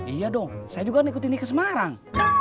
iya dong saya juga nikutin ike semarang